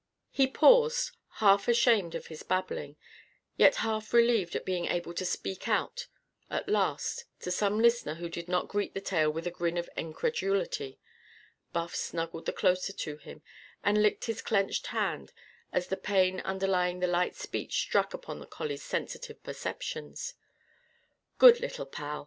He paused, half ashamed of his babbling, yet half relieved at being able to speak out at last to some listener who did not greet the tale with a grin of incredulity. Buff snuggled the closer to him, and licked his clenched hand as the pain underlying the light speech struck upon the collie's sensitive perceptions. "Good little pal!"